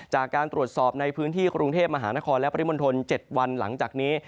จากการตรวจสอบในพื้นที่กรุงเทพมหานครและปริมณฑล๗วันหลังจากนี้